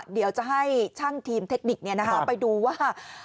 เดี๋ยวจะให้ช่างทีมเทคนิคไปดูว่า